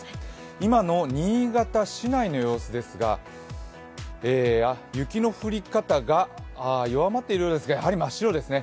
今の新潟しないの様子ですが、雪の降り方が弱まっているようですが、やはり真っ白ですね。